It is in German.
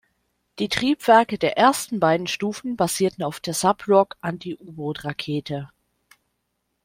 Die Triebwerke der ersten beiden Stufen basierten auf der Subroc-Anti-Uboot-Rakete.